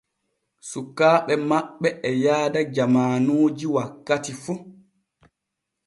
Sukaaɓe maɓɓe e yaada jamaanuji wakkati fu.